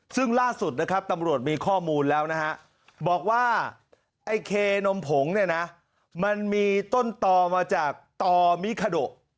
ซึ่งล่าสุดนะครับตำรวจมีข้อมูลแล้วนะฮะบอกว่าไอ้เคนมผงเนี่ยนะมันมีต้นต่อมาจากต่อมิคาโด